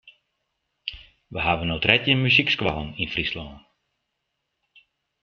We hawwe no trettjin muzykskoallen yn Fryslân.